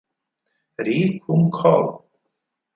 Ri Kum-chol